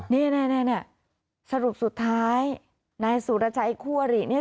เนี้ยเนี้ยเนี้ยเนี้ยสรุปสุดท้ายนายสุรชัยคู่อรีเนี้ย